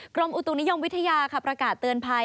กรมอุตุนิยมวิทยาประกาศเตือนภัย